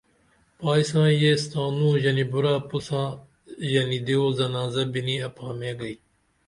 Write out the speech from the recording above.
پائی سائیں یس تانو ژنی بُرعہ پُت ساں ژنی دیو زنازہ بینی اپھامے گئی